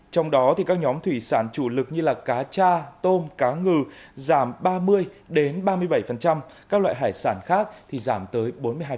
trong đó các nhóm thủy sản chủ lực như cá cha tôm cá ngừ giảm ba mươi ba mươi bảy các loại hải sản khác thì giảm tới bốn mươi hai